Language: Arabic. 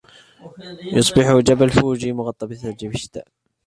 يصبح جبل فوجي مغطًى بالثلج في الشتاء.